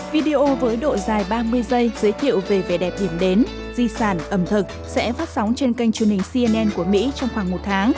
video với độ dài ba mươi giây giới thiệu về vẻ đẹp hiểm đến di sản ẩm thực sẽ phát sóng trên kênh truyền hình cnn của mỹ trong khoảng một tháng